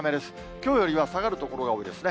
きょうよりは下がる所が多いですね。